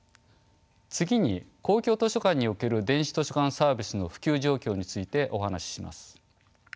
次に公共図書館における電子図書館サービスの普及状況についてお話しします。